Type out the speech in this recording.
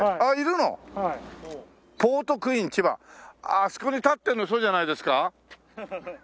あそこに立ってるのそうじゃないですか？